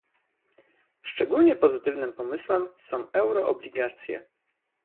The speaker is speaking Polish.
Szczególnie pozytywnym pomysłem są euroobligacje